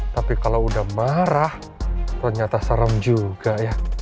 tapi kalau udah marah ternyata saram juga ya